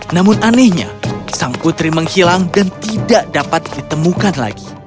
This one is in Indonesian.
namun anehnya sang putri menghilang dan tidak dapat ditemukan lagi